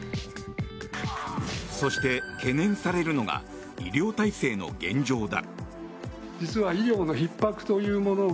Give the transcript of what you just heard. そして、懸念されるのが医療体制の現状だ。